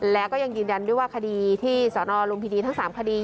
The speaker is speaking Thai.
และก็ยังยืนยันว่าคดีที่สอนอลมพิธีทั้ง๓คดี